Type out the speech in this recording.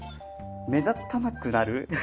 目立たなくなる？